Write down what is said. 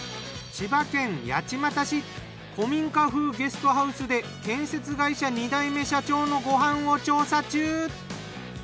千葉県八街市古民家風ゲストハウスで建設会社２代目社長のご飯を調査中！